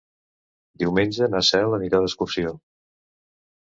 Diumenge na Cel anirà d'excursió.